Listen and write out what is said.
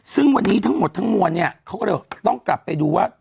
ซึ่งวันนี้ทั้งหมดทั้งมวลเนี่ยเขาก็เลยต้องกลับไปดูว่า